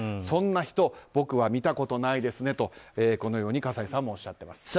そんな人僕は見たことないですねと葛西さんもおっしゃってます。